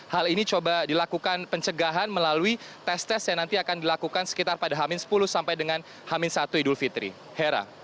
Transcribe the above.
hal ini coba dilakukan pencegahan melalui tes tes yang nanti akan dilakukan sekitar pada hamin sepuluh sampai dengan hamin satu idul fitri hera